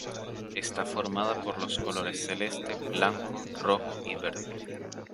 Está conformada por los colores celeste, blanco, rojo y verde.